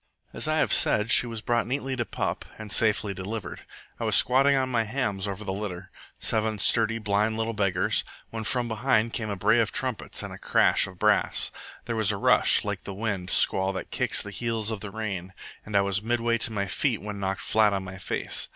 "As I have said, she was brought neatly to pup, and safely delivered. I was squatting on my hams over the litter seven sturdy, blind little beggars when from behind came a bray of trumpets and crash of brass. There was a rush, like the wind squall that kicks the heels of the rain, and I was midway to my feet when knocked flat on my face.